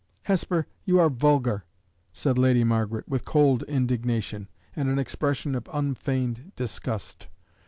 "Hesper, you are vulgar!" said Lady Margaret, with cold indignation, and an expression of unfeigned disgust.